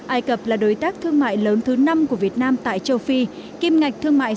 hai nghìn một mươi ba ai cập là đối tác thương mại lớn thứ năm của việt nam tại châu phi kim ngạch thương mại